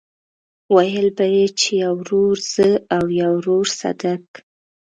ويل به يې چې يو ورور زه او يو ورور صدک.